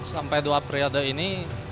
sampai dua periode ini